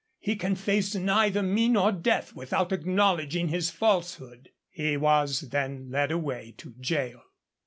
He can face neither me nor death without acknowledging his falsehood.' He was then led away to gaol.